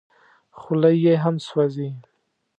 خوله یې هم سوځي .